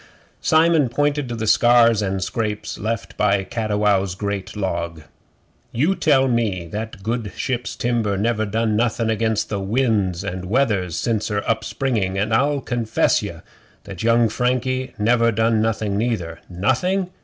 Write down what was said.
Simon pointed to the scars and scrapes left by Cattiwow's great log. 'You tell me that that good ship's timber never done nothing against winds and weathers since her up springing, and I'll confess ye that young Frankie never done nothing neither. Nothing?